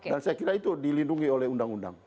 dan saya kira itu dilindungi oleh undang undang